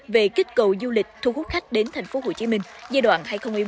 về kết cầu du lịch thu hút khách đến tp hcm giai đoạn hai nghìn một mươi bốn hai nghìn ba mươi